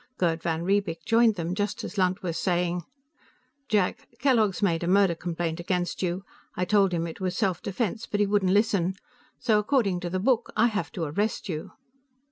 Gerd van Riebeek joined them just as Lunt was saying: "Jack, Kellogg's made a murder complaint against you. I told him it was self defense, but he wouldn't listen. So, according to the book, I have to arrest you."